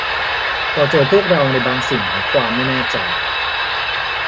เราเจอพวกเราในบางสิ่งของความไม่แน่ใจ